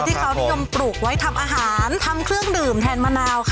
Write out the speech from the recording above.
ที่เขานิยมปลูกไว้ทำอาหารทำเครื่องดื่มแทนมะนาวค่ะ